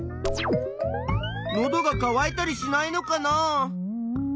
のどがかわいたりしないのかな？